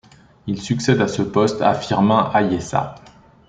Il succède à ce poste à Firmin Ayessa.